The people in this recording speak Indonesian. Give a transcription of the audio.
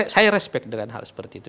saya respect dengan hal seperti itu